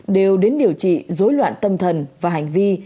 đều đến điều trị dối loạn tâm thần và hành vi